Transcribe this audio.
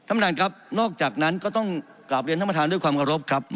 มันก็ต้องรับบริการทำมาทานด้วยความเคารพครับ